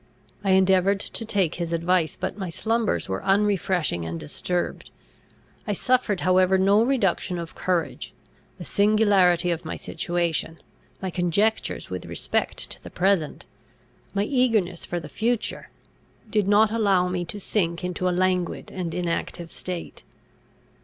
I endeavoured to take his advice; but my slumbers were unrefreshing and disturbed. I suffered however no reduction of courage: the singularity of my situation, my conjectures with respect to the present, my eagerness for the future, did not allow me to sink into a languid and inactive state.